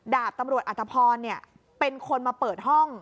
ดาบตำรวจอัตภพรเป็นคนมาเปิดห้อง